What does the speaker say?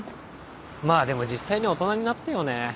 まぁでも実際に大人になったよね。